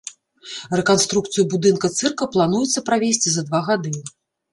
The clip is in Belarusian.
Рэканструкцыю будынка цырка плануецца правесці за два гады.